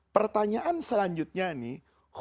pertanyaan selanjutnya nih